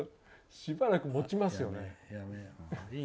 しばらく持ちますよ。